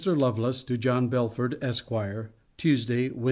LOVELACE, TO JOHN BELFORD, ESQ. TUESDAY, WEDN.